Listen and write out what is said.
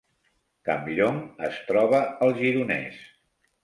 Campllong es troba al Gironès